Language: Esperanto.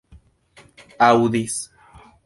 aŭdis